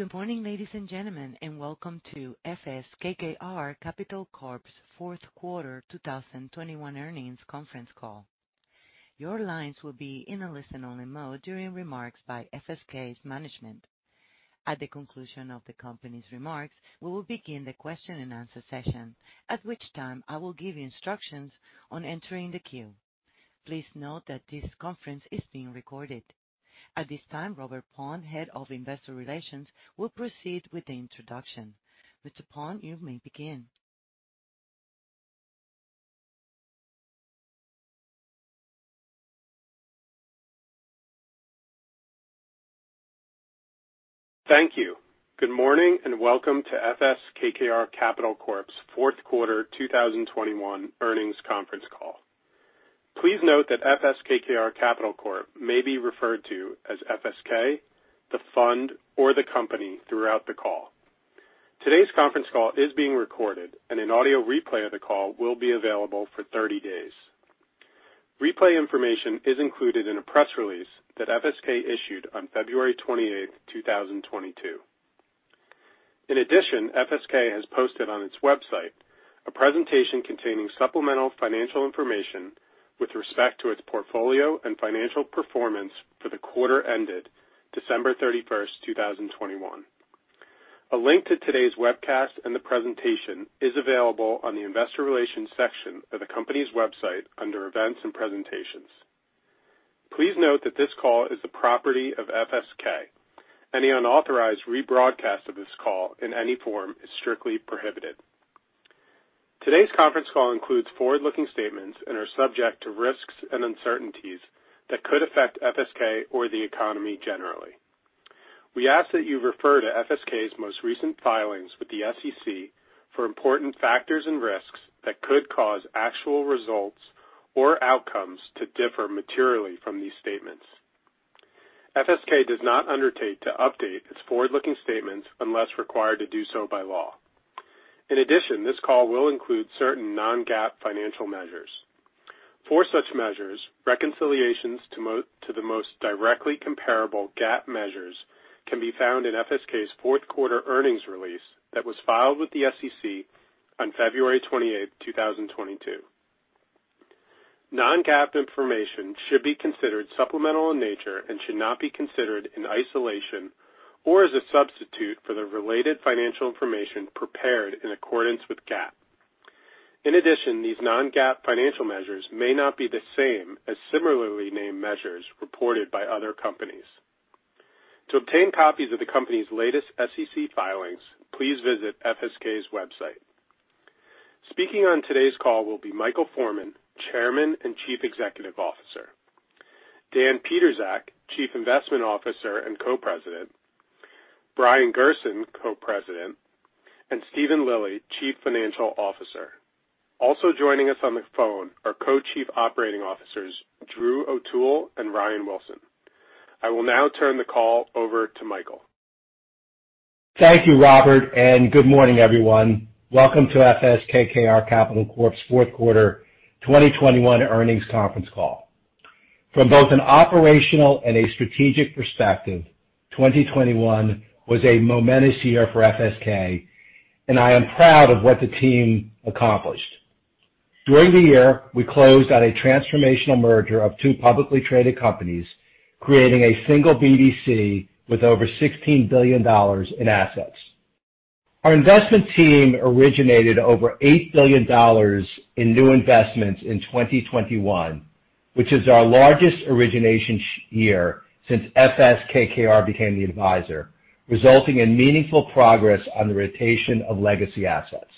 Good morning, ladies and gentlemen, and welcome to FS KKR Capital Corp's Fourth Quarter 2021 Earnings Conference Call. Your lines will be in a listen-only mode during remarks by FSK's management. At the conclusion of the company's remarks, we will begin the question-and-answer session, at which time I will give you instructions on entering the queue. Please note that this conference is being recorded. At this time, Robert Paun, Head of Investor Relations, will proceed with the introduction. Mr. Paun, you may begin. Thank you. Good morning and welcome to FS KKR Capital Corp's Fourth Quarter 2021 Earnings Conference Call. Please note that FS KKR Capital Corp may be referred to as FSK, the fund, or the company throughout the call. Today's conference call is being recorded, and an audio replay of the call will be available for 30 days. Replay information is included in a press release that FSK issued on February 28, 2022. In addition, FSK has posted on its website a presentation containing supplemental financial information with respect to its portfolio and financial performance for the quarter ended December 31, 2021. A link to today's webcast and the presentation is available on the Investor Relations section of the company's website under Events and Presentations. Please note that this call is the property of FSK, and the unauthorized rebroadcast of this call in any form is strictly prohibited. Today's conference call includes forward-looking statements and are subject to risks and uncertainties that could affect FSK or the economy generally. We ask that you refer to FSK's most recent filings with the SEC for important factors and risks that could cause actual results or outcomes to differ materially from these statements. FSK does not undertake to update its forward-looking statements unless required to do so by law. In addition, this call will include certain non-GAAP financial measures. For such measures, reconciliations to the most directly comparable GAAP measures can be found in FSK's Fourth Quarter Earnings Release that was filed with the SEC on February 28, 2022. Non-GAAP information should be considered supplemental in nature and should not be considered in isolation or as a substitute for the related financial information prepared in accordance with GAAP. In addition, these non-GAAP financial measures may not be the same as similarly named measures reported by other companies. To obtain copies of the company's latest SEC filings, please visit FSK's website. Speaking on today's call will be Michael Forman, Chairman and Chief Executive Officer, Dan Pietrzak, Chief Investment Officer and Co-President, Brian Gerson, Co-President, and Steven Lilly, Chief Financial Officer. Also joining us on the phone are Co-Chief Operating Officers Drew O'Toole and Ryan Wilson. I will now turn the call over to Michael. Thank you, Robert, and good morning, everyone. Welcome to FS KKR Capital Corp's Fourth Quarter 2021 Earnings Conference Call. From both an operational and a strategic perspective, 2021 was a momentous year for FSK, and I am proud of what the team accomplished. During the year, we closed on a transformational merger of two publicly traded companies, creating a single BDC with over $16 billion in assets. Our investment team originated over $8 billion in new investments in 2021, which is our largest origination year since FS KKR became the advisor, resulting in meaningful progress on the rotation of legacy assets.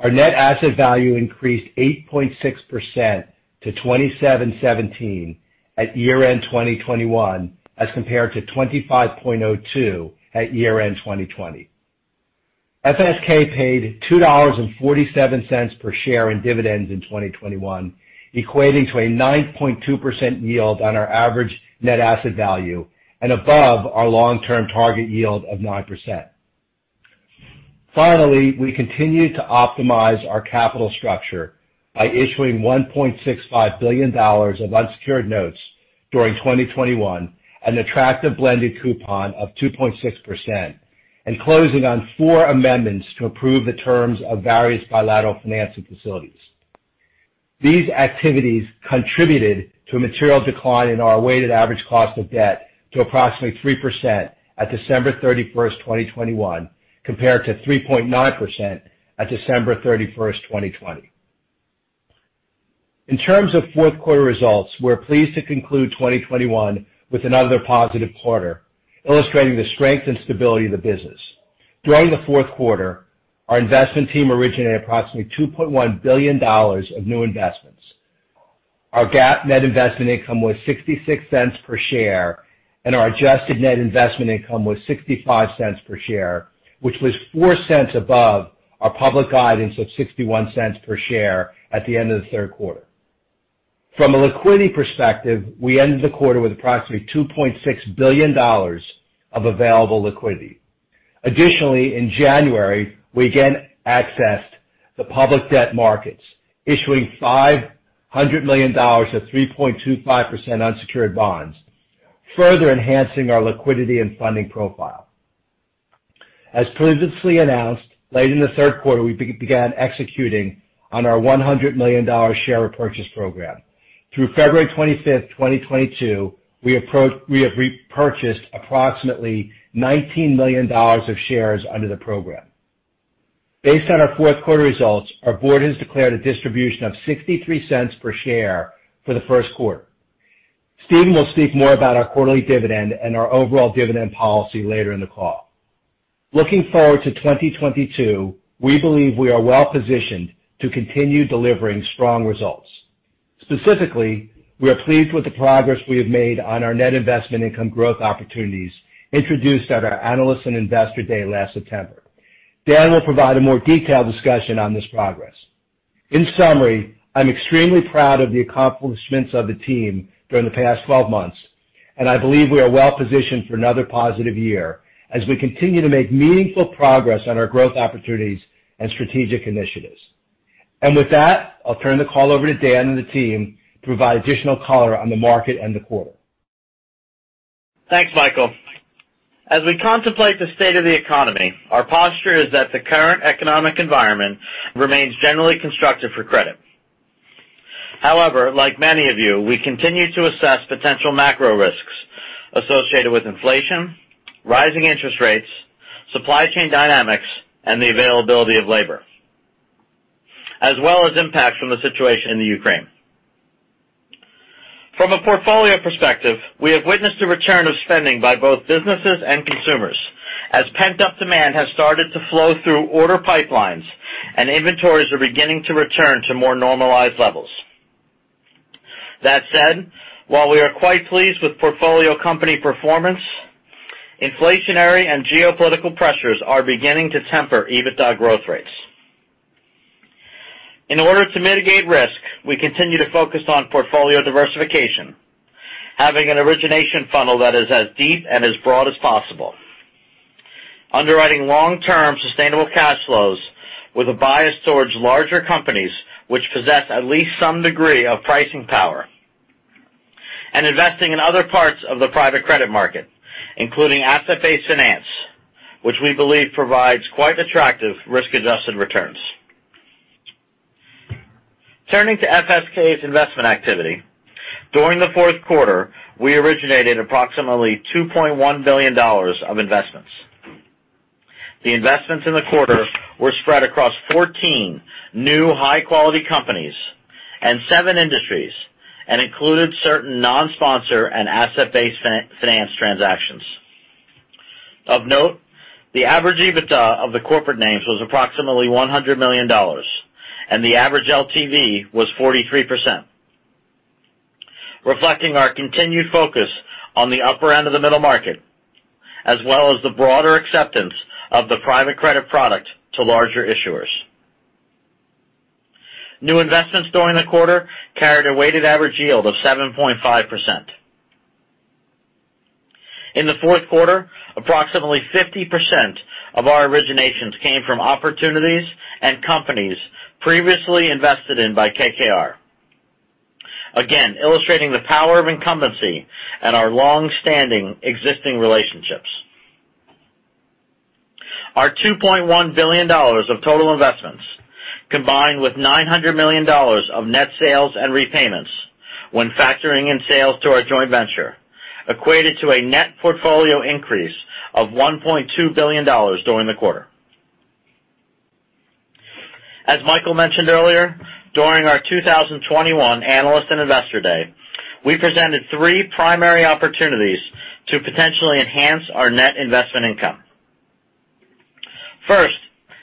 Our net asset value increased 8.6% to $27.17 at year-end 2021, as compared to $25.02 at year-end 2020. FSK paid $2.47 per share in dividends in 2021, equating to a 9.2% yield on our average net asset value and above our long-term target yield of 9%. Finally, we continued to optimize our capital structure by issuing $1.65 billion of unsecured notes during 2021, an attractive blended coupon of 2.6%, and closing on four amendments to improve the terms of various bilateral financing facilities. These activities contributed to a material decline in our weighted average cost of debt to approximately 3% at December 31, 2021, compared to 3.9% at December 31, 2020. In terms of Fourth Quarter results, we're pleased to conclude 2021 with another positive quarter, illustrating the strength and stability of the business. During the Fourth Quarter, our investment team originated approximately $2.1 billion of new investments. Our GAAP net investment income was $0.66 per share, and our adjusted net investment income was $0.65 per share, which was $0.04 above our public guidance of $0.61 per share at the end of the third quarter. From a liquidity perspective, we ended the quarter with approximately $2.6 billion of available liquidity. Additionally, in January, we again accessed the public debt markets, issuing $500 million of 3.25% unsecured bonds, further enhancing our liquidity and funding profile. As previously announced, late in the third quarter, we began executing on our $100 million share repurchase program. Through February 25, 2022, we have repurchased approximately $19 million of shares under the program. Based on our Fourth Quarter results, our board has declared a distribution of $0.63 per share for the first quarter. Steven will speak more about our quarterly dividend and our overall dividend policy later in the call. Looking forward to 2022, we believe we are well-positioned to continue delivering strong results. Specifically, we are pleased with the progress we have made on our net investment income growth opportunities introduced at our Analysts and Investors Day last September. Dan will provide a more detailed discussion on this progress. In summary, I'm extremely proud of the accomplishments of the team during the past 12 months, and I believe we are well-positioned for another positive year as we continue to make meaningful progress on our growth opportunities and strategic initiatives. And with that, I'll turn the call over to Dan and the team to provide additional color on the market and the quarter. Thanks, Michael. As we contemplate the state of the economy, our posture is that the current economic environment remains generally constructive for credit. However, like many of you, we continue to assess potential macro risks associated with inflation, rising interest rates, supply chain dynamics, and the availability of labor, as well as impacts from the situation in Ukraine. From a portfolio perspective, we have witnessed a return of spending by both businesses and consumers as pent-up demand has started to flow through order pipelines, and inventories are beginning to return to more normalized levels. That said, while we are quite pleased with portfolio company performance, inflationary and geopolitical pressures are beginning to temper EBITDA growth rates. In order to mitigate risk, we continue to focus on portfolio diversification, having an origination funnel that is as deep and as broad as possible, underwriting long-term sustainable cash flows with a bias towards larger companies which possess at least some degree of pricing power, and investing in other parts of the private credit market, including asset-based finance, which we believe provides quite attractive risk-adjusted returns. Turning to FSK's investment activity, during the Fourth Quarter, we originated approximately $2.1 billion of investments. The investments in the quarter were spread across 14 new high-quality companies and 7 industries and included certain non-sponsor and asset-based finance transactions. Of note, the average EBITDA of the corporate names was approximately $100 million, and the average LTV was 43%, reflecting our continued focus on the upper end of the middle market, as well as the broader acceptance of the private credit product to larger issuers. New investments during the quarter carried a weighted average yield of 7.5%. In the Fourth Quarter, approximately 50% of our originations came from opportunities and companies previously invested in by KKR, again illustrating the power of incumbency and our long-standing existing relationships. Our $2.1 billion of total investments, combined with $900 million of net sales and repayments when factoring in sales to our joint venture, equated to a net portfolio increase of $1.2 billion during the quarter. As Michael mentioned earlier, during our 2021 Analysts, and Investors Day, we presented three primary opportunities to potentially enhance our net investment income. First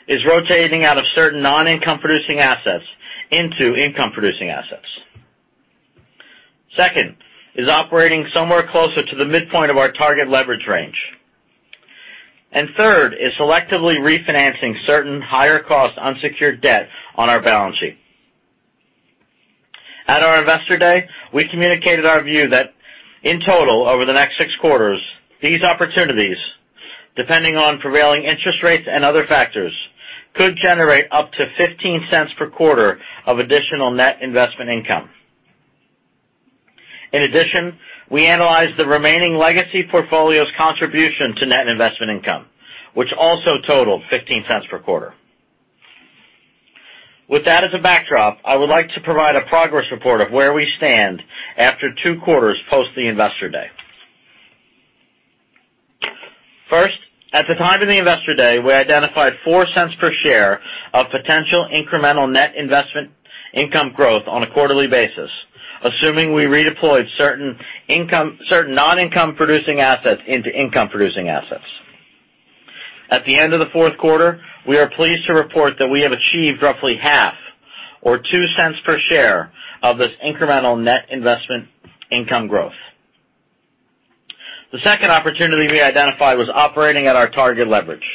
is rotating out of certain non-income-producing assets into income-producing assets. Second is operating somewhere closer to the midpoint of our target leverage range. And third is selectively refinancing certain higher-cost unsecured debt on our balance sheet. At our investor day, we communicated our view that, in total, over the next six quarters, these opportunities, depending on prevailing interest rates and other factors, could generate up to $0.15 per quarter of additional net investment income. In addition, we analyzed the remaining legacy portfolio's contribution to net investment income, which also totaled $0.15 per quarter. With that as a backdrop, I would like to provide a progress report of where we stand after two quarters post the investor day. First, at the time of the investor day, we identified $0.04 per share of potential incremental net investment income growth on a quarterly basis, assuming we redeployed certain non-income-producing assets into income-producing assets. At the end of the Fourth Quarter, we are pleased to report that we have achieved roughly half, or $0.02 per share, of this incremental net investment income growth. The second opportunity we identified was operating at our target leverage.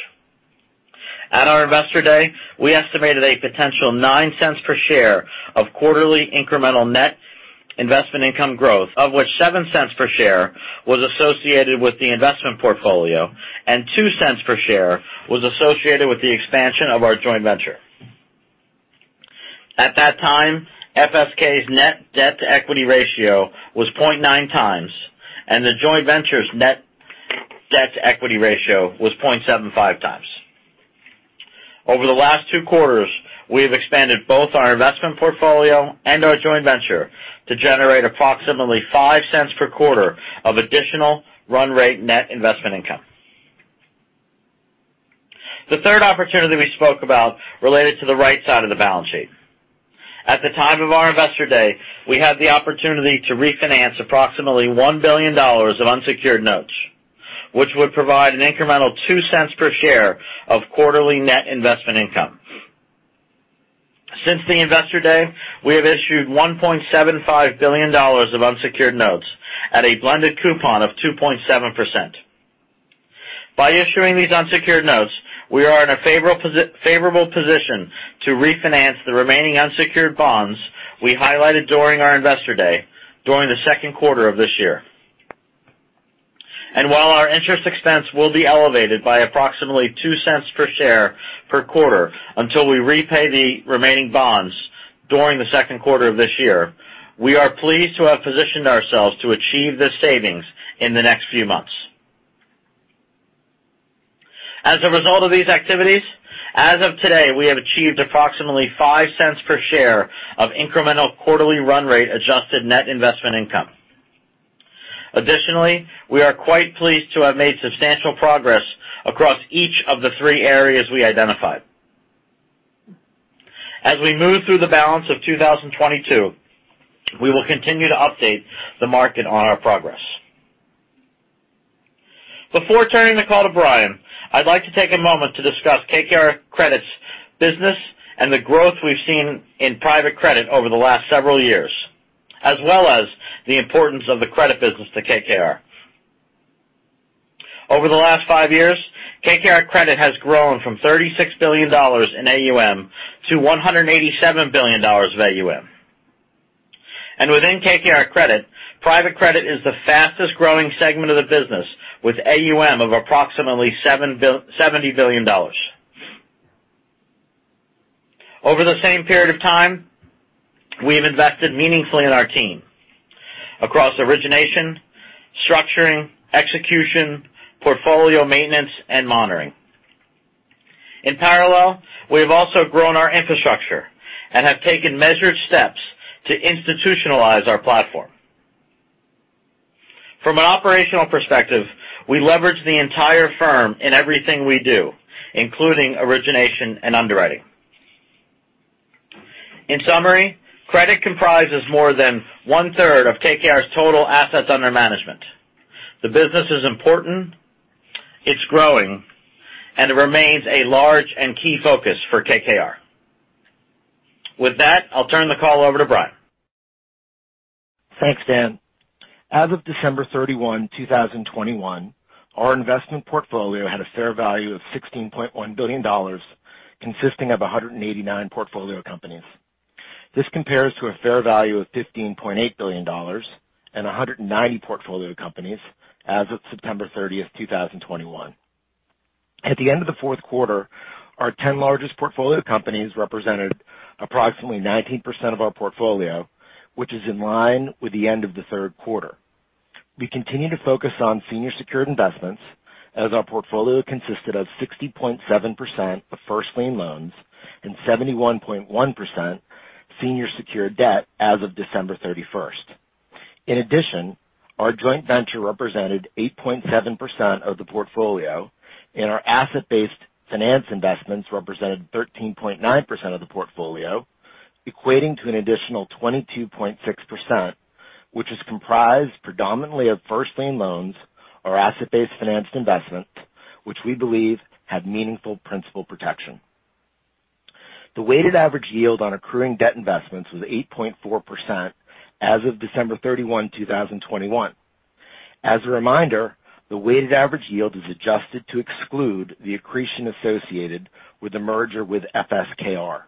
At our investor day, we estimated a potential $0.09 per share of quarterly incremental net investment income growth, of which $0.07 per share was associated with the investment portfolio and $0.02 per share was associated with the expansion of our joint venture. At that time, FSK's net debt-to-equity ratio was 0.9 times, and the joint venture's net debt-to-equity ratio was 0.75 times. Over the last two quarters, we have expanded both our investment portfolio and our joint venture to generate approximately $0.05 per quarter of additional run-rate net investment income. The third opportunity we spoke about related to the right side of the balance sheet. At the time of our investor day, we had the opportunity to refinance approximately $1 billion of unsecured notes, which would provide an incremental $0.02 per share of quarterly net investment income. Since the investor day, we have issued $1.75 billion of unsecured notes at a blended coupon of 2.7%. By issuing these unsecured notes, we are in a favorable position to refinance the remaining unsecured bonds we highlighted during our investor day during the second quarter of this year. And while our interest expense will be elevated by approximately $0.02 per share per quarter until we repay the remaining bonds during the second quarter of this year, we are pleased to have positioned ourselves to achieve this savings in the next few months. As a result of these activities, as of today, we have achieved approximately $0.05 per share of incremental quarterly run-rate adjusted net investment income. Additionally, we are quite pleased to have made substantial progress across each of the three areas we identified. As we move through the balance of 2022, we will continue to update the market on our progress. Before turning the call to Brian, I'd like to take a moment to discuss KKR Credit's business and the growth we've seen in private credit over the last several years, as well as the importance of the credit business to KKR. Over the last five years, KKR Credit has grown from $36 billion in AUM to $187 billion of AUM. And within KKR Credit, private credit is the fastest-growing segment of the business, with AUM of approximately $70 billion. Over the same period of time, we have invested meaningfully in our team across origination, structuring, execution, portfolio maintenance, and monitoring. In parallel, we have also grown our infrastructure and have taken measured steps to institutionalize our platform. From an operational perspective, we leverage the entire firm in everything we do, including origination and underwriting. In summary, credit comprises more than one-third of KKR's total assets under management. The business is important, it's growing, and it remains a large and key focus for KKR. With that, I'll turn the call over to Brian. Thanks, Dan. As of December 31, 2021, our investment portfolio had a fair value of $16.1 billion, consisting of 189 portfolio companies. This compares to a fair value of $15.8 billion and 190 portfolio companies as of September 30, 2021. At the end of the Fourth Quarter, our 10 largest portfolio companies represented approximately 19% of our portfolio, which is in line with the end of the third quarter. We continue to focus on senior secured investments, as our portfolio consisted of 60.7% of first lien loans and 71.1% senior secured debt as of December 31. In addition, our joint venture represented 8.7% of the portfolio, and our asset-based finance investments represented 13.9% of the portfolio, equating to an additional 22.6%, which is comprised predominantly of first lien loans or asset-based finance investments, which we believe have meaningful principal protection. The weighted average yield on accruing debt investments was 8.4% as of December 31, 2021. As a reminder, the weighted average yield is adjusted to exclude the accretion associated with the merger with FS KKR.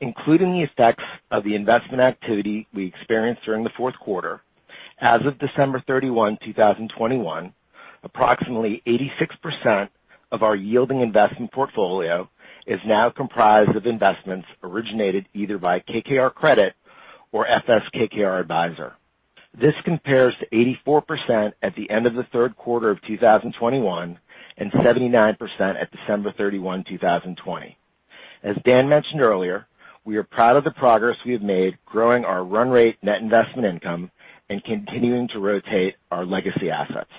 Including the effects of the investment activity we experienced during the Fourth Quarter, as of December 31, 2021, approximately 86% of our yielding investment portfolio is now comprised of investments originated either by KKR Credit or FS KKR Advisor. This compares to 84% at the end of the third quarter of 2021 and 79% at December 31, 2020. As Dan mentioned earlier, we are proud of the progress we have made growing our run-rate net investment income and continuing to rotate our legacy assets.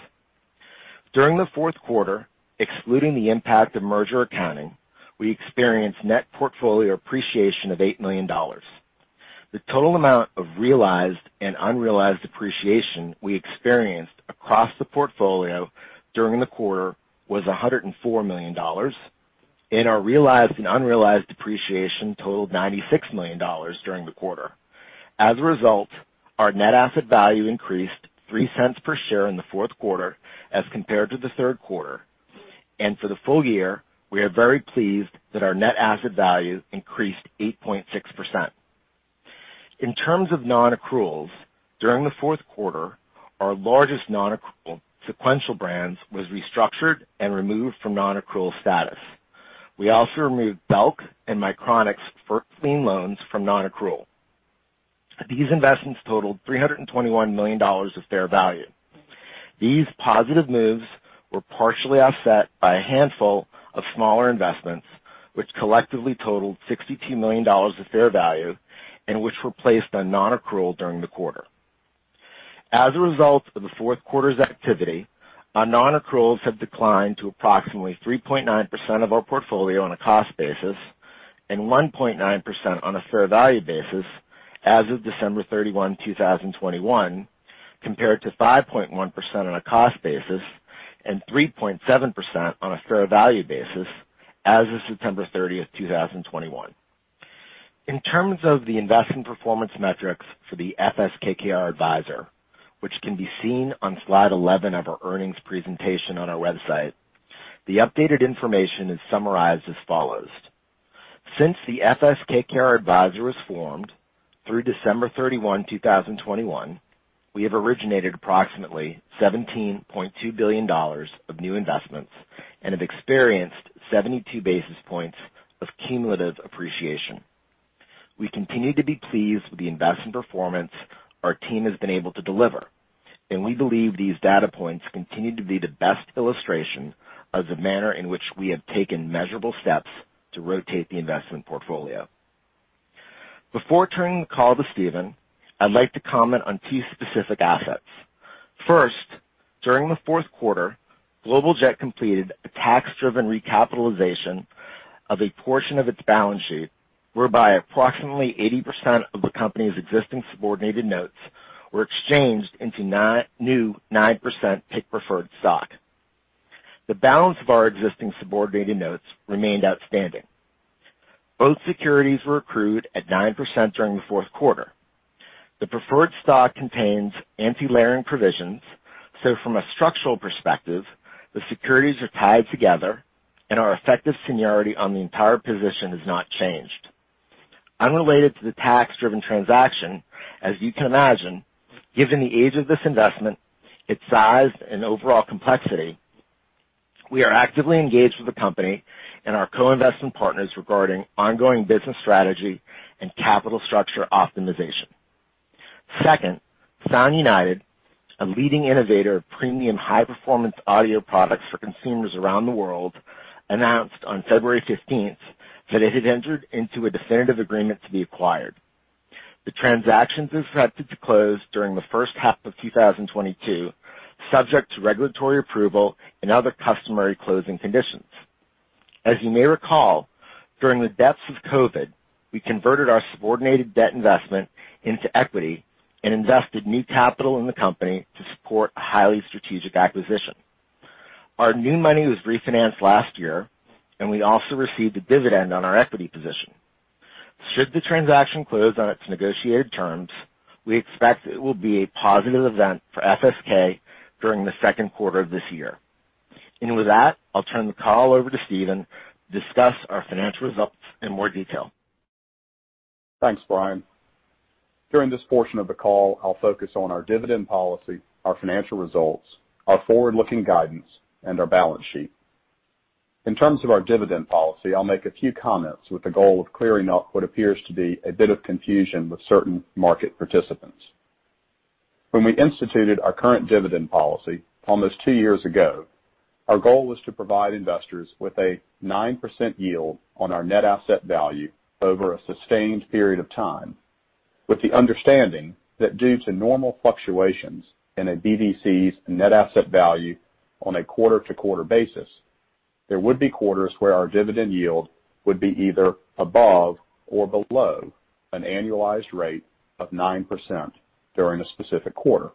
During the Fourth Quarter, excluding the impact of merger accounting, we experienced net portfolio appreciation of $8 million. The total amount of realized and unrealized appreciation we experienced across the portfolio during the quarter was $104 million, and our realized and unrealized appreciation totaled $96 million during the quarter. As a result, our net asset value increased $0.03 per share in the Fourth Quarter as compared to the third quarter, and for the full year, we are very pleased that our net asset value increased 8.6%. In terms of non-accruals, during the Fourth Quarter, our largest non-accrual Sequential Brands Group was restructured and removed from non-accrual status. We also removed Belk and Micronics' first lien loans from non-accrual. These investments totaled $321 million of fair value. These positive moves were partially offset by a handful of smaller investments, which collectively totaled $62 million of fair value and which were placed on non-accrual during the quarter. As a result of the Fourth Quarter's activity, our non-accruals have declined to approximately 3.9% of our portfolio on a cost basis and 1.9% on a fair value basis as of December 31, 2021, compared to 5.1% on a cost basis and 3.7% on a fair value basis as of September 30, 2021. In terms of the investment performance metrics for the FS KKR Advisor, which can be seen on slide 11 of our earnings presentation on our website, the updated information is summarized as follows. Since the FS KKR Advisor was formed through December 31, 2021, we have originated approximately $17.2 billion of new investments and have experienced 72 basis points of cumulative appreciation. We continue to be pleased with the investment performance our team has been able to deliver, and we believe these data points continue to be the best illustration of the manner in which we have taken measurable steps to rotate the investment portfolio. Before turning the call to Steven, I'd like to comment on two specific assets. First, during the Fourth Quarter, Global Jet completed a tax-driven recapitalization of a portion of its balance sheet, whereby approximately 80% of the company's existing subordinated notes were exchanged into new 9% PIK preferred stock. The balance of our existing subordinated notes remained outstanding. Both securities were accrued at 9% during the Fourth Quarter. The preferred stock contains anti-layering provisions, so from a structural perspective, the securities are tied together and our effective seniority on the entire position has not changed. Unrelated to the tax-driven transaction, as you can imagine, given the age of this investment, its size, and overall complexity, we are actively engaged with the company and our co-investment partners regarding ongoing business strategy and capital structure optimization. Second, Sound United, a leading innovator of premium high-performance audio products for consumers around the world, announced on February 15 that it had entered into a definitive agreement to be acquired. The transaction is expected to close during the first half of 2022, subject to regulatory approval and other customary closing conditions. As you may recall, during the depths of COVID, we converted our subordinated debt investment into equity and invested new capital in the company to support a highly strategic acquisition. Our new money was refinanced last year, and we also received a dividend on our equity position. Should the transaction close on its negotiated terms, we expect it will be a positive event for FSK during the second quarter of this year. And with that, I'll turn the call over to Steven to discuss our financial results in more detail. Thanks, Brian. During this portion of the call, I'll focus on our dividend policy, our financial results, our forward-looking guidance, and our balance sheet. In terms of our dividend policy, I'll make a few comments with the goal of clearing up what appears to be a bit of confusion with certain market participants. When we instituted our current dividend policy almost two years ago, our goal was to provide investors with a 9% yield on our net asset value over a sustained period of time, with the understanding that due to normal fluctuations in a BDC's net asset value on a quarter-to-quarter basis, there would be quarters where our dividend yield would be either above or below an annualized rate of 9% during a specific quarter.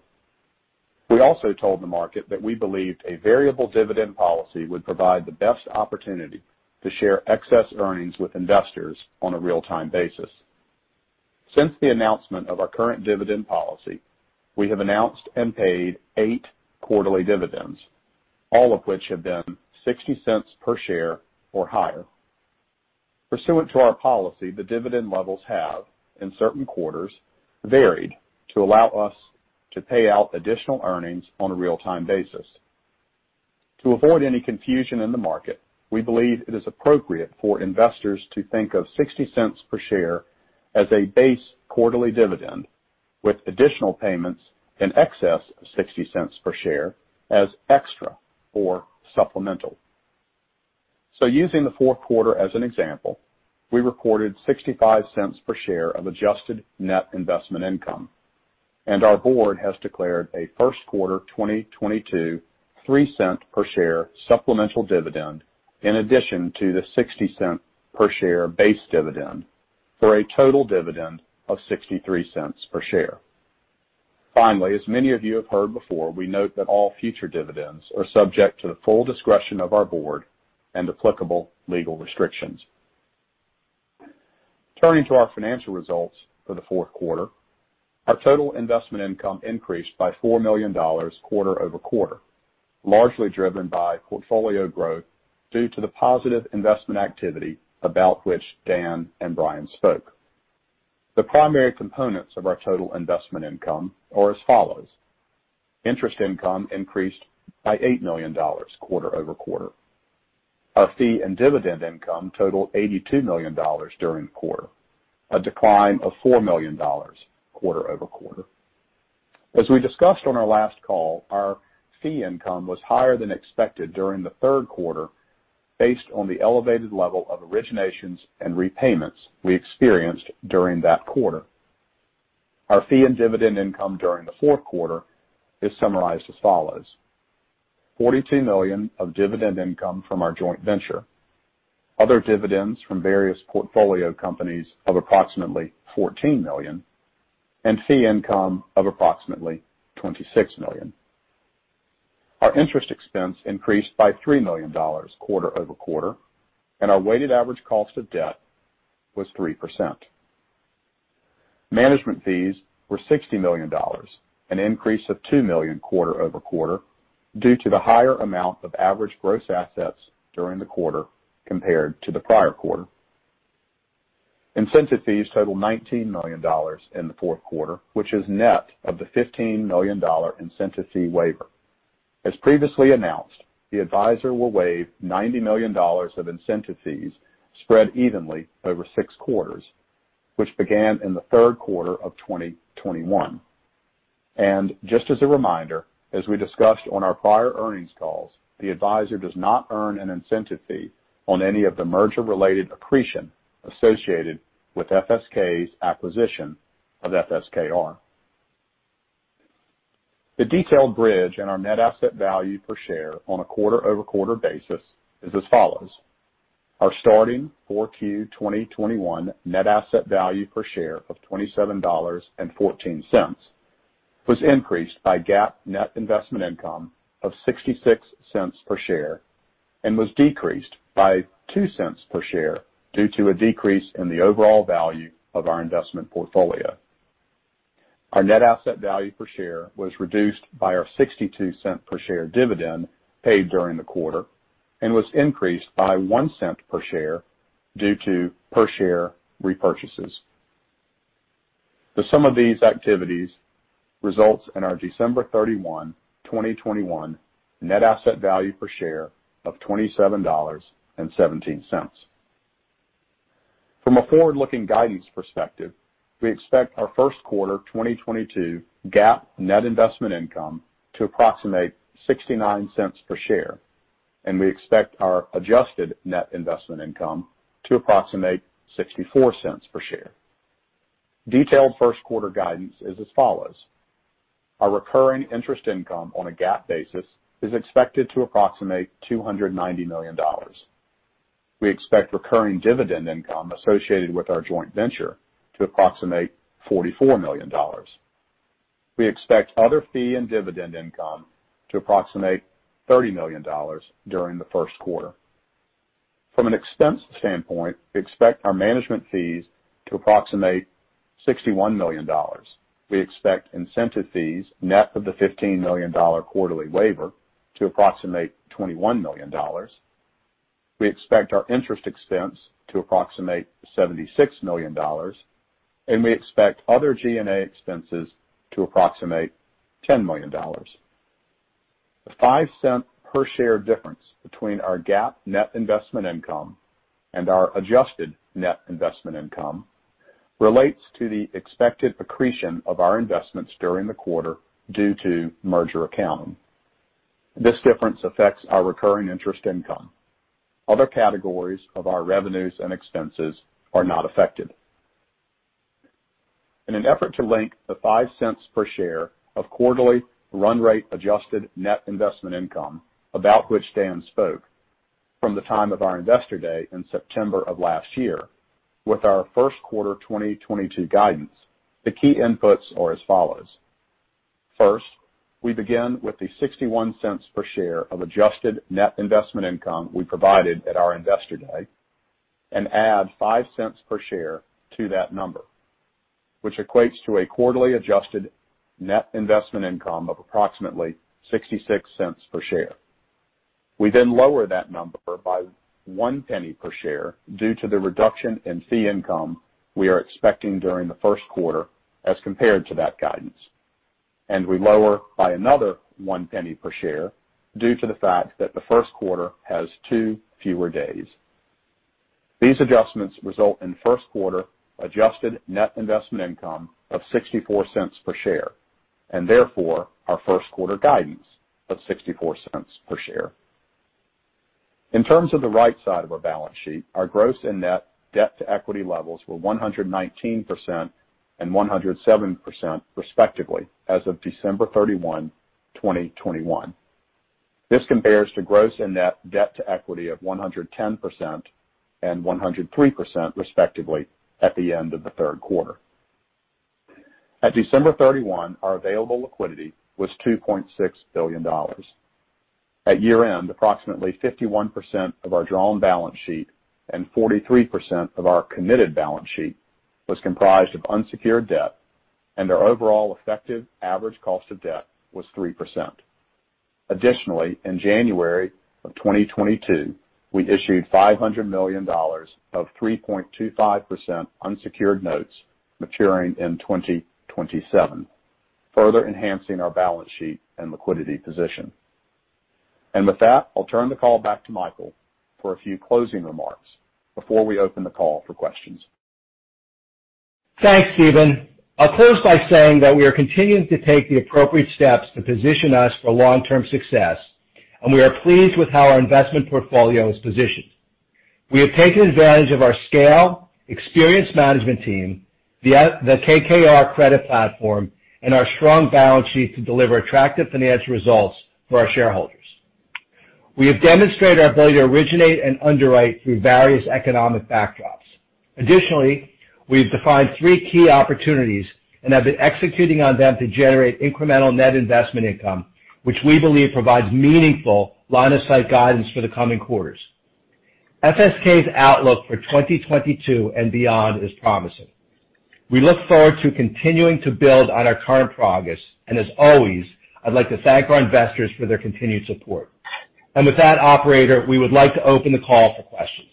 We also told the market that we believed a variable dividend policy would provide the best opportunity to share excess earnings with investors on a real-time basis. Since the announcement of our current dividend policy, we have announced and paid eight quarterly dividends, all of which have been $0.60 per share or higher. Pursuant to our policy, the dividend levels have, in certain quarters, varied to allow us to pay out additional earnings on a real-time basis. To avoid any confusion in the market, we believe it is appropriate for investors to think of $0.60 per share as a base quarterly dividend, with additional payments in excess of $0.60 per share as extra or supplemental. Using the fourth quarter as an example, we recorded $0.65 per share of Adjusted Net Investment Income, and our board has declared a first quarter 2022 $0.03 per share supplemental dividend in addition to the $0.60 per share base dividend for a total dividend of $0.63 per share. Finally, as many of you have heard before, we note that all future dividends are subject to the full discretion of our board and applicable legal restrictions. Turning to our financial results for the fourth quarter, our total investment income increased by $4 million quarter over quarter, largely driven by portfolio growth due to the positive investment activity about which Dan and Brian spoke. The primary components of our total investment income are as follows: interest income increased by $8 million quarter over quarter. Our fee and dividend income totaled $82 million during the quarter, a decline of $4 million quarter over quarter. As we discussed on our last call, our fee income was higher than expected during the third quarter based on the elevated level of originations and repayments we experienced during that quarter. Our fee and dividend income during the fourth quarter is summarized as follows: $42 million of dividend income from our joint venture, other dividends from various portfolio companies of approximately $14 million, and fee income of approximately $26 million. Our interest expense increased by $3 million quarter over quarter, and our weighted average cost of debt was 3%. Management fees were $60 million, an increase of $2 million quarter-over-quarter due to the higher amount of average gross assets during the quarter compared to the prior quarter. Incentive fees totaled $19 million in the fourth quarter, which is net of the $15 million incentive fee waiver. As previously announced, the advisor will waive $90 million of incentive fees spread evenly over six quarters, which began in the third quarter of 2021. Just as a reminder, as we discussed on our prior earnings calls, the advisor does not earn an incentive fee on any of the merger-related accretion associated with FSK's acquisition of FS KKR. The detailed bridge in our net asset value per share on a quarter-over-quarter basis is as follows: our starting 4Q 2021 net asset value per share of $27.14 was increased by GAAP net investment income of $0.66 per share and was decreased by $0.02 per share due to a decrease in the overall value of our investment portfolio. Our net asset value per share was reduced by our $0.62 per share dividend paid during the quarter and was increased by $0.01 per share due to per share repurchases. The sum of these activities results in our December 31, 2021, net asset value per share of $27.17. From a forward-looking guidance perspective, we expect our First Quarter 2022 GAAP net investment income to approximate $0.69 per share, and we expect our adjusted net investment income to approximate $0.64 per share. Detailed First Quarter guidance is as follows: our recurring interest income on a GAAP basis is expected to approximate $290 million. We expect recurring dividend income associated with our joint venture to approximate $44 million. We expect other fee and dividend income to approximate $30 million during the First Quarter. From an expense standpoint, we expect our management fees to approximate $61 million. We expect incentive fees net of the $15 million quarterly waiver to approximate $21 million. We expect our interest expense to approximate $76 million, and we expect other G&A expenses to approximate $10 million. The $0.05 per share difference between our GAAP net investment income and our adjusted net investment income relates to the expected accretion of our investments during the quarter due to merger accounting. This difference affects our recurring interest income. Other categories of our revenues and expenses are not affected. In an effort to link the $0.05 per share of quarterly run rate adjusted net investment income, about which Dan spoke, from the time of our investor day in September of last year with our First Quarter 2022 guidance, the key inputs are as follows. First, we begin with the $0.61 per share of adjusted net investment income we provided at our investor day and add $0.05 per share to that number, which equates to a quarterly adjusted net investment income of approximately $0.66 per share. We then lower that number by $0.01 per share due to the reduction in fee income we are expecting during the First Quarter as compared to that guidance, and we lower by another $0.01 per share due to the fact that the First Quarter has two fewer days. These adjustments result in First Quarter adjusted net investment income of $0.64 per share and therefore our First Quarter guidance of $0.64 per share. In terms of the right side of our balance sheet, our gross and net debt to equity levels were 119% and 107% respectively as of December 31, 2021. This compares to gross and net debt to equity of 110% and 103% respectively at the end of the third quarter. At December 31, our available liquidity was $2.6 billion. At year-end, approximately 51% of our drawn balance sheet, and 43% of our committed balance sheet was comprised of unsecured debt, and our overall effective average cost of debt was 3%. Additionally, in January of 2022, we issued $500 million of 3.25% unsecured notes maturing in 2027, further enhancing our balance sheet and liquidity position. And with that, I'll turn the call back to Michael for a few closing remarks before we open the call for questions. Thanks, Steven. I'll close by saying that we are continuing to take the appropriate steps to position us for long-term success, and we are pleased with how our investment portfolio is positioned. We have taken advantage of our scale, experienced management team, the KKR Credit platform, and our strong balance sheet to deliver attractive financial results for our shareholders. We have demonstrated our ability to originate and underwrite through various economic backdrops. Additionally, we've defined three key opportunities and have been executing on them to generate incremental net investment income, which we believe provides meaningful line-of-sight guidance for the coming quarters. FSK's outlook for 2022 and beyond is promising. We look forward to continuing to build on our current progress, and as always, I'd like to thank our investors for their continued support. And with that, operator, we would like to open the call for questions.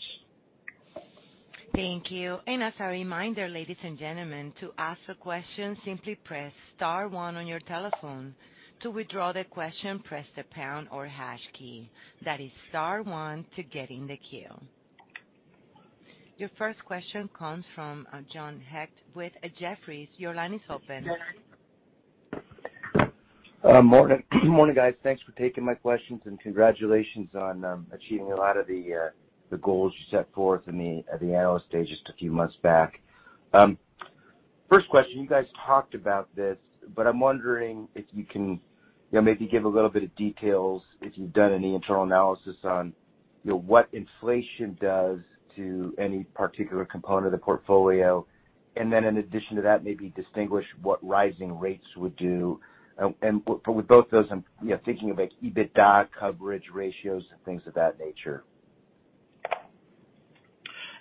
Thank you. And as a reminder, ladies and gentlemen, to ask a question, simply press star one on your telephone. To withdraw the question, press the pound or hash key. That is star one to get in the queue. Your first question comes from John Hecht with Jefferies. Your line is open. Morning, guys. Thanks for taking my questions and congratulations on achieving a lot of the goals you set forth in the analyst day just a few months back. First question, you guys talked about this, but I'm wondering if you can maybe give a little bit of details if you've done any internal analysis on what inflation does to any particular component of the portfolio. And then in addition to that, maybe distinguish what rising rates would do. And with both those, I'm thinking of EBITDA coverage ratios and things of that nature.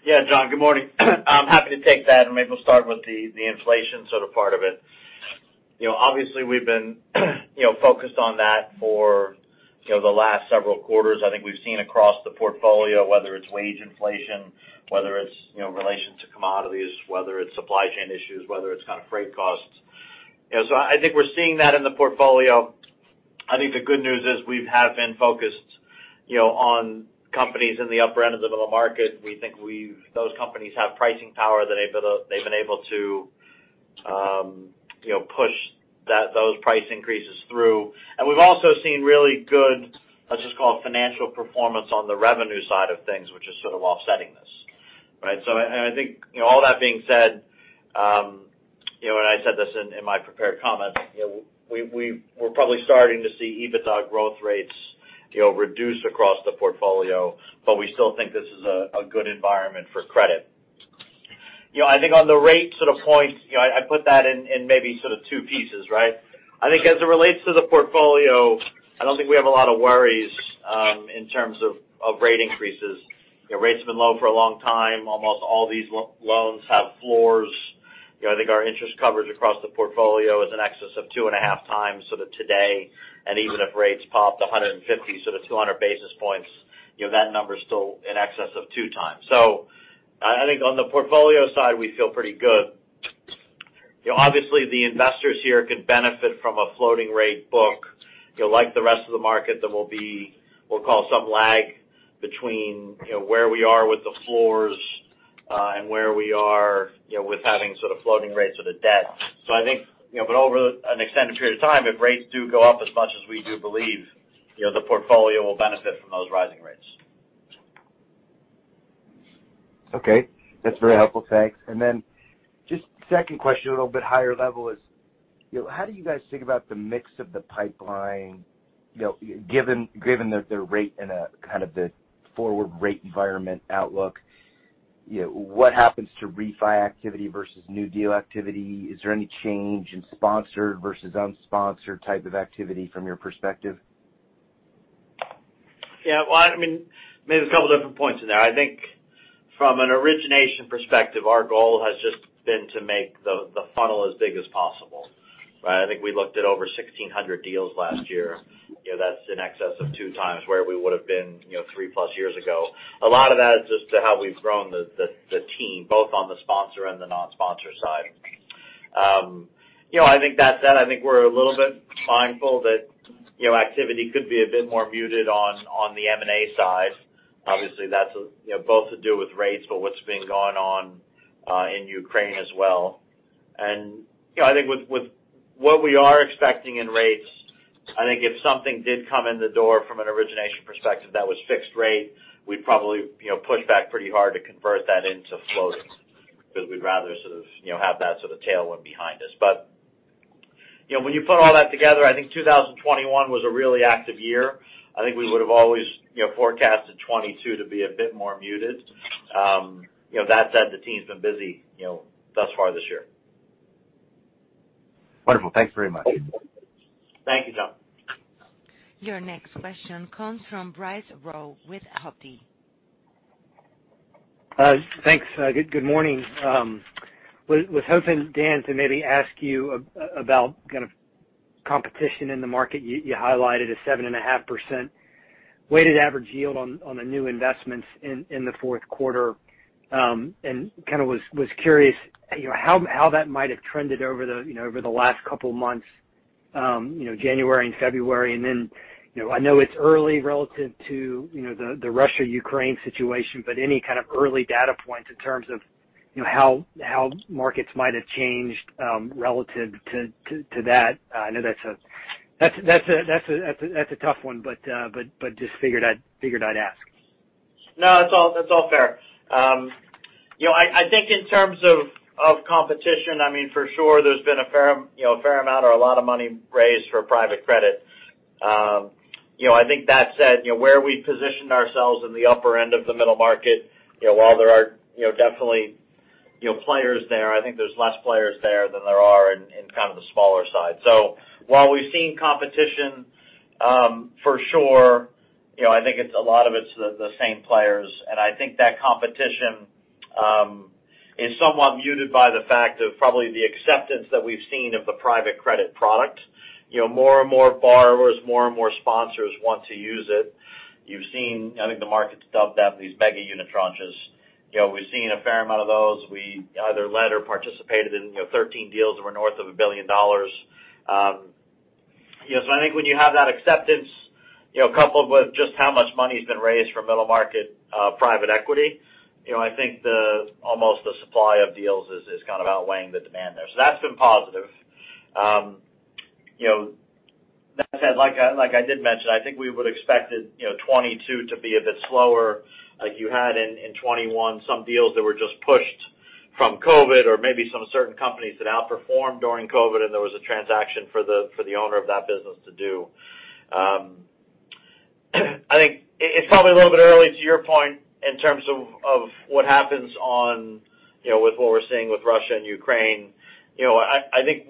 Yeah, John, good morning. I'm happy to take that, and maybe we'll start with the inflation sort of part of it. Obviously, we've been focused on that for the last several quarters. I think we've seen across the portfolio, whether it's wage inflation, whether it's relation to commodities, whether it's supply chain issues, whether it's kind of freight costs. So I think we're seeing that in the portfolio. I think the good news is we have been focused on companies in the upper end of the middle market. We think those companies have pricing power that they've been able to push those price increases through, and we've also seen really good, let's just call it, financial performance on the revenue side of things, which is sort of offsetting this. Right? So I think all that being said, and I said this in my prepared comments, we're probably starting to see EBITDA growth rates reduce across the portfolio, but we still think this is a good environment for credit. I think on the rate sort of point, I put that in maybe sort of two pieces. Right? I think as it relates to the portfolio, I don't think we have a lot of worries in terms of rate increases. Rates have been low for a long time. Almost all these loans have floors. I think our interest coverage across the portfolio is in excess of two and a half times sort of today. And even if rates popped 150, sort of 200 basis points, that number is still in excess of two times. So I think on the portfolio side, we feel pretty good. Obviously, the investors here can benefit from a floating rate book like the rest of the market that will be, we'll call it, some lag between where we are with the floors and where we are with having sort of floating rates of the debt. So I think, but over an extended period of time, if rates do go up as much as we do believe, the portfolio will benefit from those rising rates. Okay. That's very helpful. Thanks, and then just second question, a little bit higher level is how do you guys think about the mix of the pipeline given the rate and kind of the forward rate environment outlook? What happens to refi activity versus new deal activity? Is there any change in sponsored versus unsponsored type of activity from your perspective? Yeah, well, I mean, maybe there's a couple of different points in there. I think from an origination perspective, our goal has just been to make the funnel as big as possible. Right? I think we looked at over 1,600 deals last year. That's in excess of two times where we would have been three plus years ago. A lot of that is just how we've grown the team, both on the sponsor and the non-sponsor side. I think that said, I think we're a little bit mindful that activity could be a bit more muted on the M&A side. Obviously, that's both to do with rates, but what's been going on in Ukraine as well. And I think, with what we are expecting in rates, I think if something did come in the door from an origination perspective that was fixed rate, we'd probably push back pretty hard to convert that into floating because we'd rather sort of have that sort of tailwind behind us. But when you put all that together, I think 2021 was a really active year. I think we would have always forecasted 2022 to be a bit more muted. That said, the team's been busy thus far this year. Wonderful. Thanks very much. Thank you, John. Your next question comes from Bryce Rowe with Hovde. Thanks. Good morning. Was hoping, Dan, to maybe ask you about kind of competition in the market. You highlighted a 7.5% weighted average yield on the new investments in the fourth quarter. And kind of was curious how that might have trended over the last couple of months, January and February. And then I know it's early relative to the Russia-Ukraine situation, but any kind of early data points in terms of how markets might have changed relative to that? I know that's a tough one, but just figured I'd ask. No, that's all fair. I think in terms of competition, I mean, for sure, there's been a fair amount or a lot of money raised for private credit. I think that said, where we've positioned ourselves in the upper end of the middle market, while there are definitely players there, I think there's less players there than there are in kind of the smaller side. So while we've seen competition for sure, I think a lot of it's the same players. And I think that competition is somewhat muted by the fact of probably the acceptance that we've seen of the private credit product. More and more borrowers, more and more sponsors want to use it. You've seen, I think the market's dubbed that these mega unit tranches. We've seen a fair amount of those. We either led or participated in 13 deals that were north of $1 billion. So I think when you have that acceptance coupled with just how much money has been raised from middle market private equity, I think almost the supply of deals is kind of outweighing the demand there. So that's been positive. That said, like I did mention, I think we would have expected 2022 to be a bit slower. Like you had in 2021, some deals that were just pushed from COVID or maybe some certain companies that outperformed during COVID, and there was a transaction for the owner of that business to do. I think it's probably a little bit early to your point in terms of what happens with what we're seeing with Russia and Ukraine. I think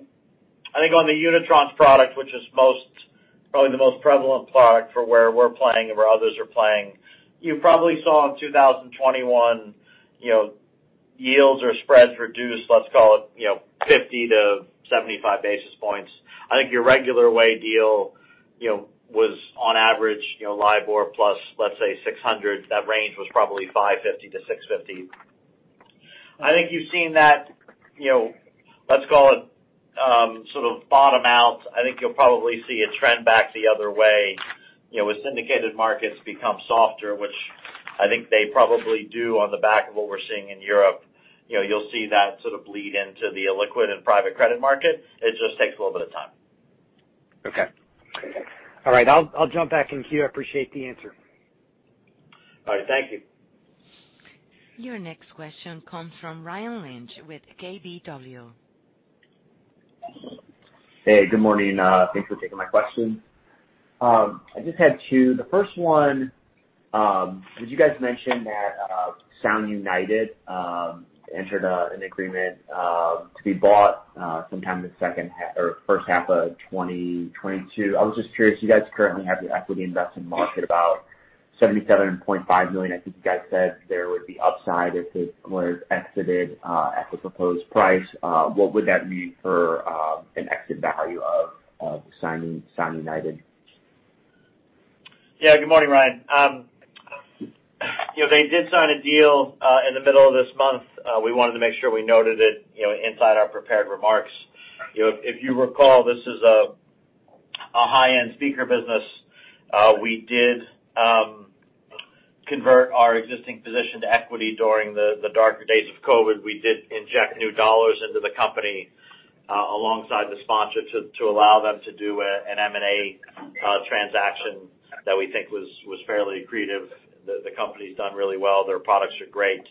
on the unit tranche product, which is probably the most prevalent product for where we're playing and where others are playing, you probably saw in 2021 yields or spreads reduced, let's call it 50-75 basis points. I think your regular way deal was on average LIBOR plus, let's say, 600. That range was probably 550-650. I think you've seen that, let's call it, sort of bottom out. I think you'll probably see a trend back the other way with syndicated markets become softer, which I think they probably do on the back of what we're seeing in Europe. You'll see that sort of bleed into the liquid and private credit market. It just takes a little bit of time. Okay. All right. I'll jump back in here. Appreciate the answer. All right. Thank you. Your next question comes from Ryan Lynch with KBW. Hey, good morning. Thanks for taking my question. I just had two. The first one, did you guys mention that Sound United entered an agreement to be bought sometime in the second or first half of 2022? I was just curious. You guys currently have the equity investment marked about $77.5 million. I think you guys said there would be upside if it were exited at the proposed price. What would that mean for an exit value of Sound United? Yeah. Good morning, Ryan. They did sign a deal in the middle of this month. We wanted to make sure we noted it inside our prepared remarks. If you recall, this is a high-end speaker business. We did convert our existing position to equity during the darker days of COVID. We did inject new dollars into the company alongside the sponsor to allow them to do an M&A transaction that we think was fairly creative. The company's done really well. Their products are great.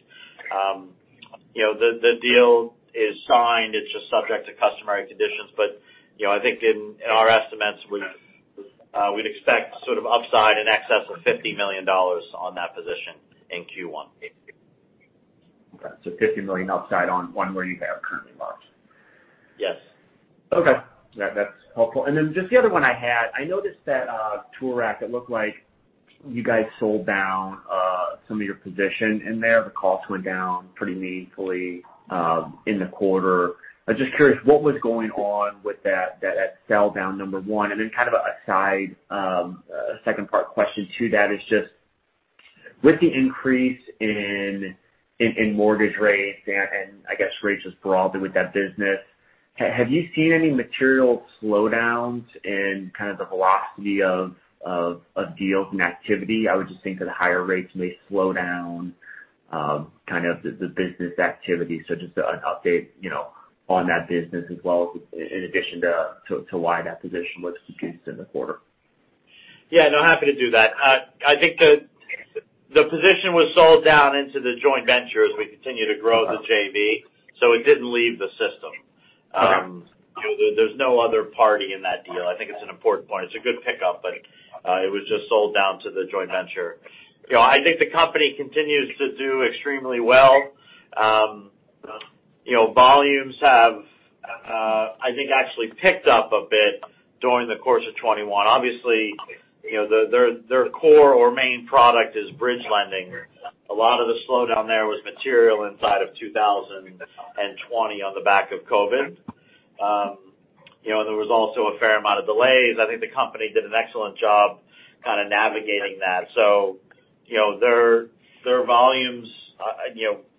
The deal is signed. It's just subject to customary conditions. But I think in our estimates, we'd expect sort of upside in excess of $50 million on that position in Q1. Okay. So $50 million upside on where you have currently lost. Yes. Okay. That's helpful. And then just the other one I had, I noticed that Toorak, it looked like you guys sold down some of your position in there. The cost went down pretty meaningfully in the quarter. I'm just curious, what was going on with that sell down number one? And then kind of a side second part question to that is just with the increase in mortgage rates and I guess rates just broadly with that business, have you seen any material slowdowns in kind of the velocity of deals and activity? I would just think that the higher rates may slow down kind of the business activity. So just an update on that business as well in addition to why that position was reduced in the quarter. Yeah. And I'm happy to do that. I think the position was sold down into the joint venture as we continue to grow the JV. So it didn't leave the system. There's no other party in that deal. I think it's an important point. It's a good pickup, but it was just sold down to the joint venture. I think the company continues to do extremely well. Volumes have, I think, actually picked up a bit during the course of 2021. Obviously, their core or main product is bridge lending. A lot of the slowdown there was material inside of 2020 on the back of COVID. And there was also a fair amount of delays. I think the company did an excellent job kind of navigating that. So their volumes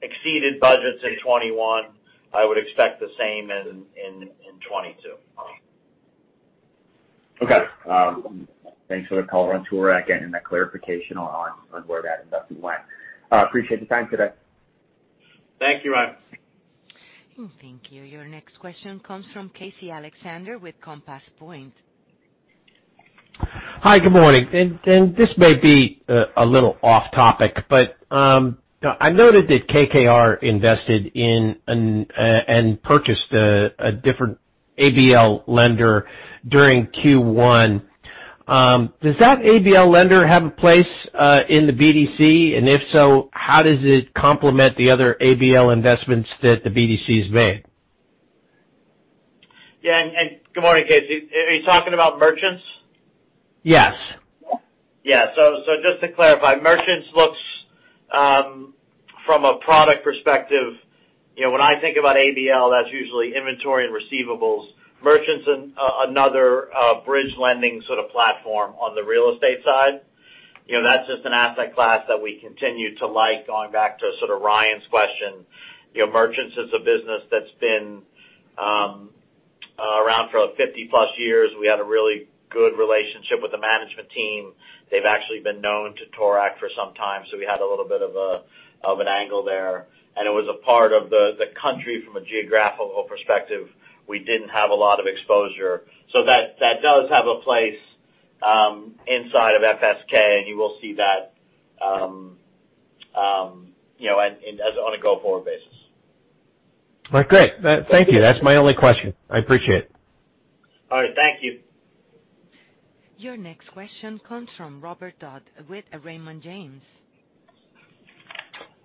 exceeded budgets in 2021. I would expect the same in 2022. Okay. Thanks for the call around Toorak and that clarification on where that investment went. Appreciate the time today. Thank you, Ryan. Thank you. Your next question comes from Casey Alexander with Compass Point. Hi, good morning, and this may be a little off topic, but I noted that KKR invested in and purchased a different ABL lender during Q1. Does that ABL lender have a place in the BDC? And if so, how does it complement the other ABL investments that the BDC has made? Yeah. Good morning, Casey. Are you talking about Merchants? Yes. Yeah. So just to clarify, Merchants looks from a product perspective. When I think about ABL, that's usually inventory and receivables. Merchants are another bridge lending sort of platform on the real estate side. That's just an asset class that we continue to like. Going back to sort of Ryan's question, Merchants is a business that's been around for 50 plus years. We had a really good relationship with the management team. They've actually been known to Toorak for some time. So we had a little bit of an angle there. And it was a part of the country from a geographical perspective. We didn't have a lot of exposure. So that does have a place inside of FSK. And you will see that on a go-forward basis. All right. Great. Thank you. That's my only question. I appreciate it. All right. Thank you. Your next question comes from Robert Dodd with Raymond James.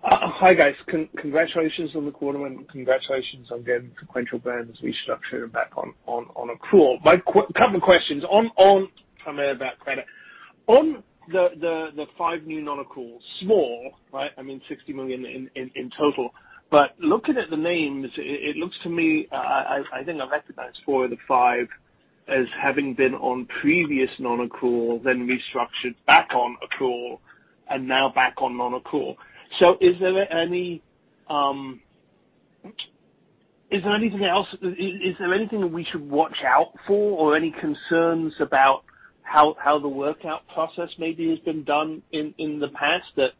Hi guys. Congratulations on the quarter win. Congratulations on getting Sequential Brands restructured back on accrual. A couple of questions primarily about credit. On the five new non-accrual, small, right? I mean, $60 million in total. But looking at the names, it looks to me, I think I recognize four of the five as having been on previous non-accrual, then restructured back on accrual, and now back on non-accrual. So is there anything else? Is there anything we should watch out for or any concerns about how the workout process maybe has been done in the past that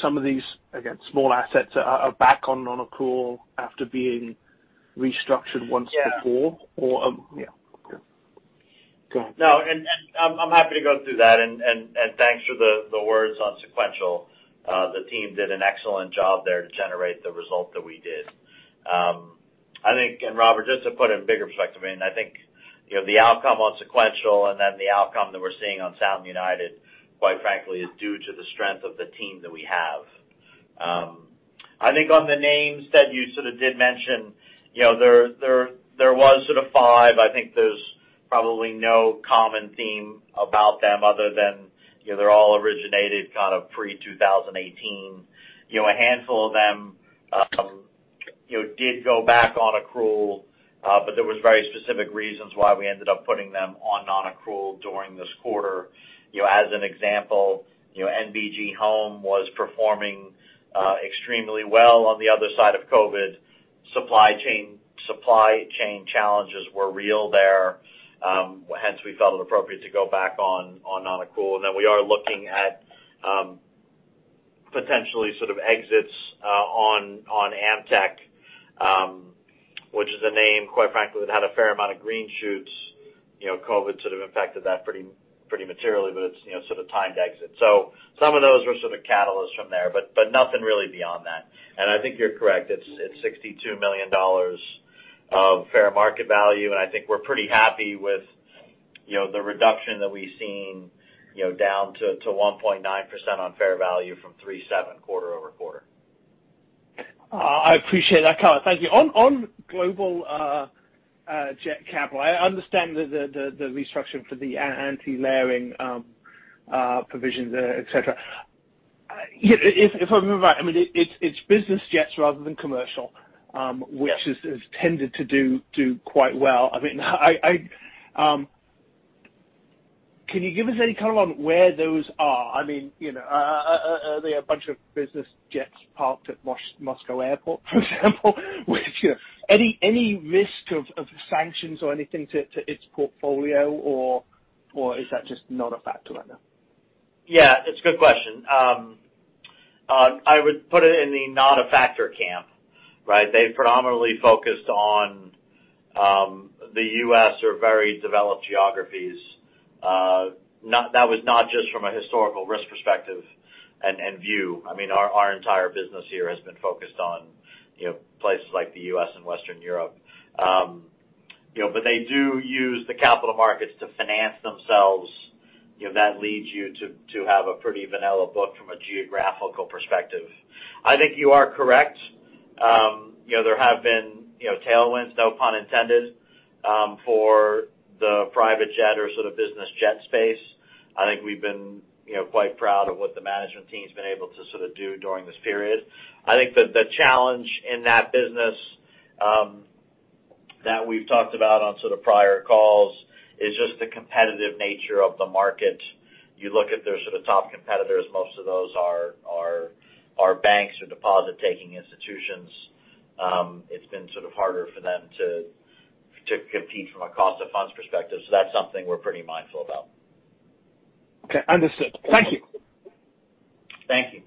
some of these, again, small assets are back on accrual after being restructured once before? Yeah. Yeah. Go ahead. No, and I'm happy to go through that. And thanks for the words on Sequential. The team did an excellent job there to generate the result that we did. And Robert, just to put it in bigger perspective, I mean, I think the outcome on Sequential and then the outcome that we're seeing on Sound United, quite frankly, is due to the strength of the team that we have. I think on the names that you sort of did mention, there was sort of five. I think there's probably no common theme about them other than they're all originated kind of pre-2018. A handful of them did go back on accrual, but there were very specific reasons why we ended up putting them on non-accrual during this quarter. As an example, NBG Home was performing extremely well on the other side of COVID. Supply chain challenges were real there. Hence, we felt it appropriate to go back on non-accrual, and then we are looking at potentially sort of exits on Amteck, which is a name, quite frankly, that had a fair amount of green shoots. COVID sort of impacted that pretty materially, but it's sort of timed exit. Some of those were sort of catalysts from there, but nothing really beyond that. I think you're correct. It's $62 million of fair market value. I think we're pretty happy with the reduction that we've seen down to 1.9% on fair value from 3.7% quarter over quarter. I appreciate that. Thank you. On Global Jet Capital, I understand the restructuring for the anti-layering provisions, etc. If I remember right, I mean, it's business jets rather than commercial, which has tended to do quite well. I mean, can you give us any kind of on where those are? I mean, are they a bunch of business jets parked at Moscow Airport, for example? Any risk of sanctions or anything to its portfolio, or is that just not a factor right now? Yeah. It's a good question. I would put it in the not a factor camp, right? They've predominantly focused on the U.S. or very developed geographies. That was not just from a historical risk perspective and view. I mean, our entire business here has been focused on places like the U.S. and Western Europe. But they do use the capital markets to finance themselves. That leads you to have a pretty vanilla book from a geographical perspective. I think you are correct. There have been tailwinds, no pun intended, for the private jet or sort of business jet space. I think we've been quite proud of what the management team has been able to sort of do during this period. I think the challenge in that business that we've talked about on sort of prior calls is just the competitive nature of the market. You look at their sort of top competitors. Most of those are banks or deposit-taking institutions. It's been sort of harder for them to compete from a cost of funds perspective. So that's something we're pretty mindful about. Okay. Understood. Thank you. Thank you.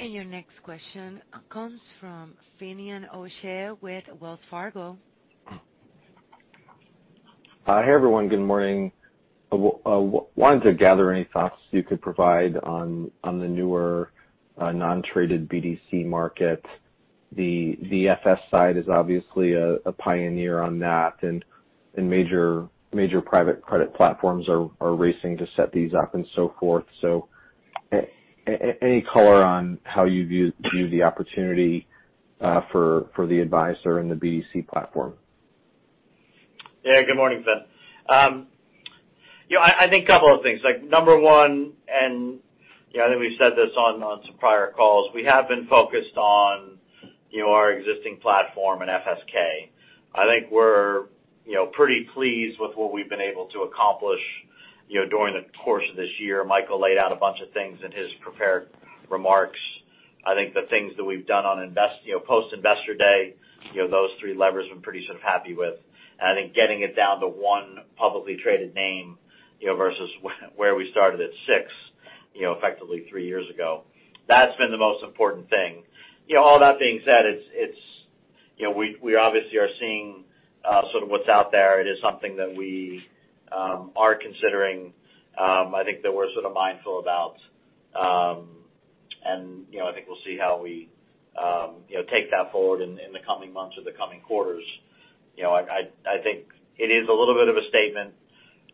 And your next question comes from Finian O'Shea with Wells Fargo. Hi everyone. Good morning. Wanted to gather any thoughts you could provide on the newer non-traded BDC market. The FS side is obviously a pioneer on that, and major private credit platforms are racing to set these up and so forth. So any color on how you view the opportunity for the advisor and the BDC platform? Yeah. Good morning, Finn. I think a couple of things. Number one, and I think we've said this on some prior calls, we have been focused on our existing platform and FSK. I think we're pretty pleased with what we've been able to accomplish during the course of this year. Michael laid out a bunch of things in his prepared remarks. I think the things that we've done on post-Investor Day, those three levers have been pretty sort of happy with. And I think getting it down to one publicly traded name versus where we started at six, effectively three years ago, that's been the most important thing. All that being said, we obviously are seeing sort of what's out there. It is something that we are considering. I think that we're sort of mindful about. I think we'll see how we take that forward in the coming months or the coming quarters. I think it is a little bit of a statement,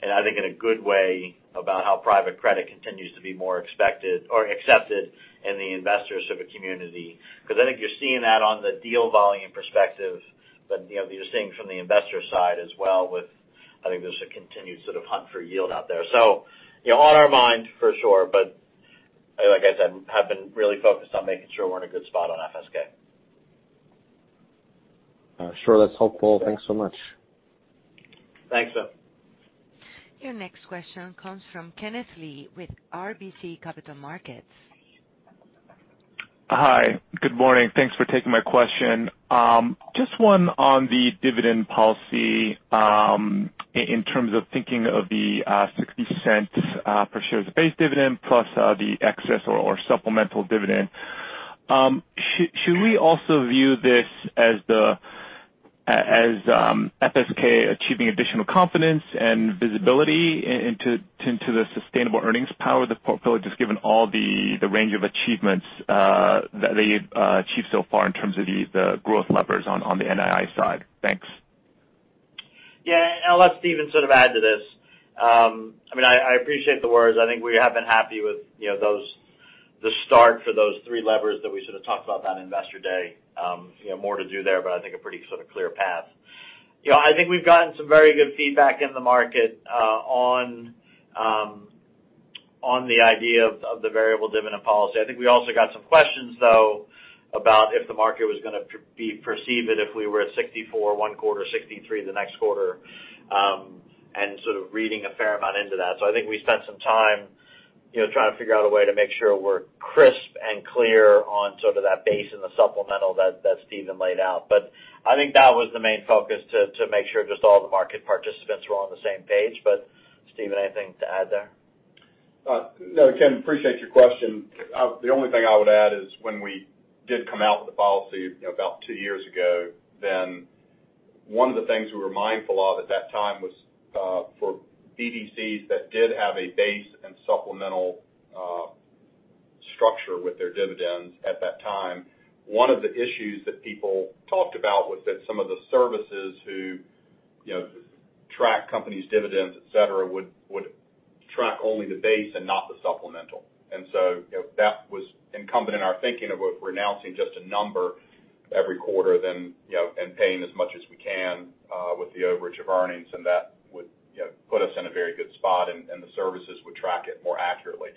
and I think in a good way, about how private credit continues to be more accepted in the investor sort of community. Because I think you're seeing that on the deal volume perspective, but you're seeing from the investor side as well with, I think there's a continued sort of hunt for yield out there. So on our mind, for sure. But like I said, have been really focused on making sure we're in a good spot on FSK. Sure. That's helpful. Thanks so much. Thanks, Finn. Your next question comes from Kenneth Lee with RBC Capital Markets. Hi. Good morning. Thanks for taking my question. Just one on the dividend policy in terms of thinking of the $0.60 per share base dividend plus the excess or supplemental dividend. Should we also view this as FSK achieving additional confidence and visibility into the sustainable earnings power of the portfolio, just given all the range of achievements that they've achieved so far in terms of the growth levers on the NII side? Thanks. Yeah. And I'll let Steven sort of add to this. I mean, I appreciate the words. I think we have been happy with the start for those three levers that we sort of talked about on investor day. More to do there, but I think a pretty sort of clear path. I think we've gotten some very good feedback in the market on the idea of the variable dividend policy. I think we also got some questions, though, about if the market was going to be perceived if we were at 64 one quarter, 63 the next quarter, and sort of reading a fair amount into that. So I think we spent some time trying to figure out a way to make sure we're crisp and clear on sort of that base and the supplemental that Steven laid out. But I think that was the main focus to make sure just all the market participants were on the same page. But Steven, anything to add there? Again, I appreciate your question. The only thing I would add is when we did come out with the policy about two years ago, then one of the things we were mindful of at that time was for BDCs that did have a base and supplemental structure with their dividends at that time, one of the issues that people talked about was that some of the services who track companies' dividends, etc., would track only the base and not the supplemental. And so that was instrumental in our thinking of what we're announcing, just a number every quarter and paying as much as we can with the overage of earnings. And that would put us in a very good spot, and the services would track it more accurately.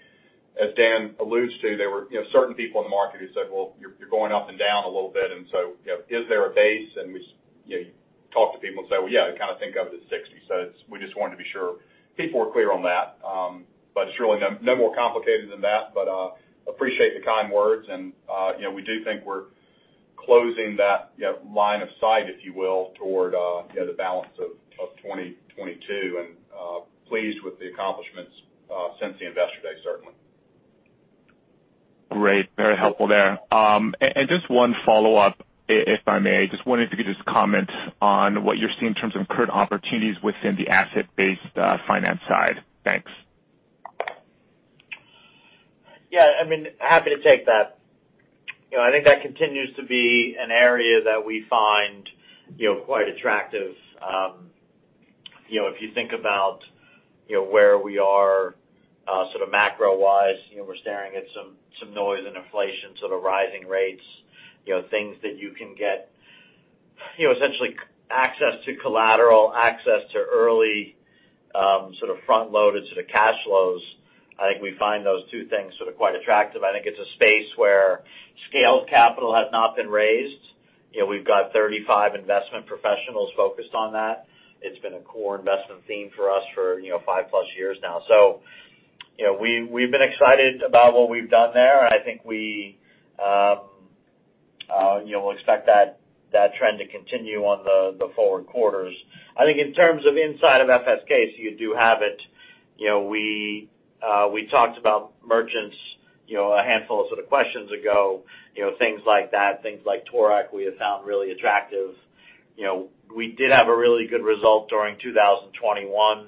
As Dan alludes to, there were certain people in the market who said, "Well, you're going up and down a little bit. And so is there a base?" And we talked to people and said, "Well, yeah, we kind of think of it as 60." So we just wanted to be sure people were clear on that. But it's really no more complicated than that. But appreciate the kind words. And we do think we're closing that line of sight, if you will, toward the balance of 2022 and pleased with the accomplishments since the investor day, certainly. Great. Very helpful there. And just one follow-up, if I may. Just wondering if you could just comment on what you're seeing in terms of current opportunities within the asset-based finance side. Thanks. Yeah. I mean, happy to take that. I think that continues to be an area that we find quite attractive. If you think about where we are sort of macro-wise, we're staring at some noise and inflation, sort of rising rates, things that you can get essentially access to collateral, access to early sort of front-loaded sort of cash flows. I think we find those two things sort of quite attractive. I think it's a space where scaled capital has not been raised. We've got 35 investment professionals focused on that. It's been a core investment theme for us for five plus years now. So we've been excited about what we've done there. And I think we will expect that trend to continue on the forward quarters. I think in terms of inside of FSK, so you do have it. We talked about Merchants a handful of sort of questions ago, things like that, things like Toorak we have found really attractive. We did have a really good result during 2021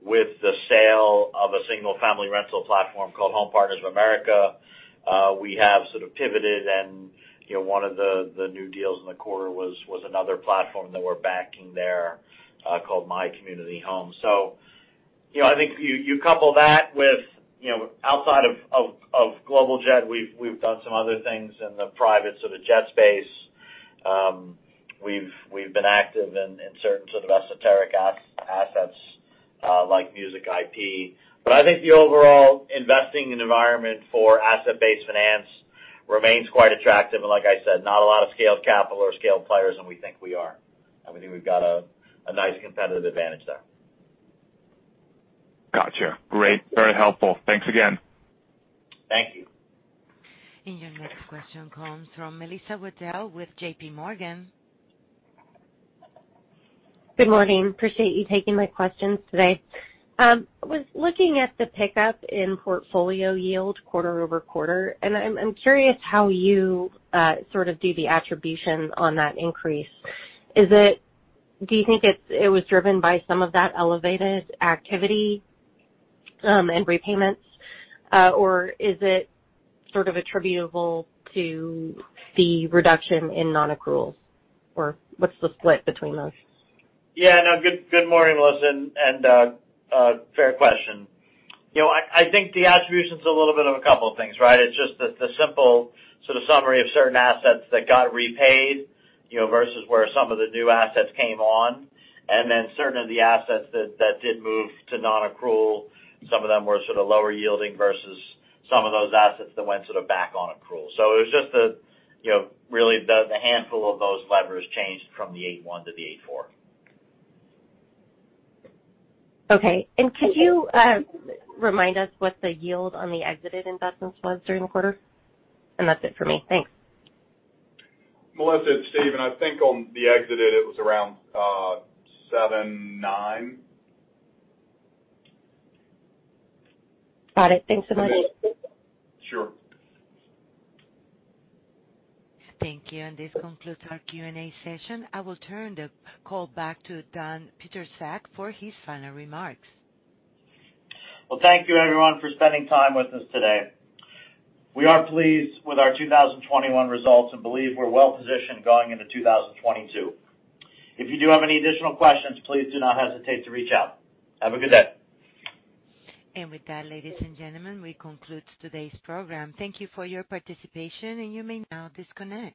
with the sale of a single-family rental platform called Home Partners of America. We have sort of pivoted, and one of the new deals in the quarter was another platform that we're backing there called My Community Homes. So I think you couple that with outside of Global Jet, we've done some other things in the private sort of jet space. We've been active in certain sort of esoteric assets like music IP. But I think the overall investing environment for asset-based finance remains quite attractive. And like I said, not a lot of scaled capital or scaled players, and we think we are. And we think we've got a nice competitive advantage there. Gotcha. Great. Very helpful. Thanks again. Thank you. Your next question comes from Melissa Wedel with J.P. Morgan. Good morning. Appreciate you taking my questions today. I was looking at the pickup in portfolio yield quarter over quarter. And I'm curious how you sort of do the attribution on that increase. Do you think it was driven by some of that elevated activity and repayments, or is it sort of attributable to the reduction in non-accruals, or what's the split between those? Yeah. No, good morning, Melissa. And fair question. I think the attribution's a little bit of a couple of things, right? It's just the simple sort of summary of certain assets that got repaid versus where some of the new assets came on. And then certain of the assets that did move to non-accrual, some of them were sort of lower yielding versus some of those assets that went sort of back on accrual. So it was just really the handful of those levers changed from the 8.1 to the 8.4. Okay. And could you remind us what the yield on the exited investments was during the quarter? And that's it for me. Thanks. Melissa and Steven, I think on the exited, it was around 7.9. Got it. Thanks so much. Sure. Thank you. And this concludes our Q&A session. I will turn the call back to Dan Pietrzak for his final remarks. Thank you, everyone, for spending time with us today. We are pleased with our 2021 results and believe we're well positioned going into 2022. If you do have any additional questions, please do not hesitate to reach out. Have a good day. With that, ladies and gentlemen, we conclude today's program. Thank you for your participation, and you may now disconnect.